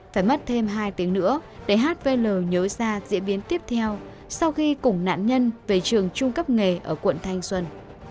phải mất thêm hai tiếng nữa để hvl nhớ ra diễn biến tiếp theo sau khi cùng nạn nhân về trường trung cấp nghề ở quận thanh xuân